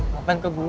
ngapain ke gue